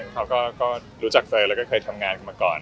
เค้าก็รู้จักเจ้าแล้วเคยทำงานด้วยก่อน